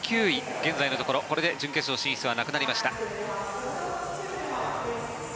現在のところこれで準決勝進出はなくなりました。